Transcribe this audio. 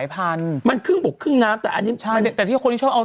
เพราะว่าเขาไม่มีที่เกาะ